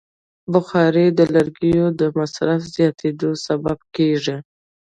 بخاري د لرګیو د مصرف زیاتیدو سبب کېږي.